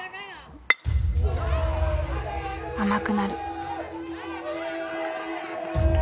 甘くなる。